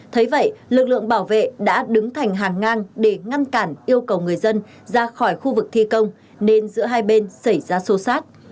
thấy vậy lực lượng bảo vệ đã đứng thành hàng ngang để ngăn cản yêu cầu người dân ra khỏi khu vực thi công nên giữa hai bên xảy ra xô xát